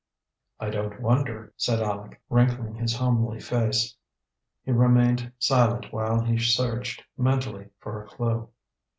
"I don't wonder," said Aleck, wrinkling his homely face. He remained silent while he searched, mentally, for a clue.